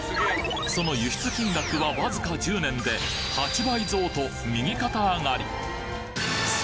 その輸出金額はわずか１０年で８倍増と右肩上がり